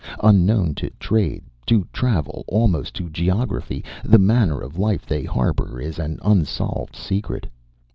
Unknown to trade, to travel, almost to geography, the manner of life they harbor is an unsolved secret.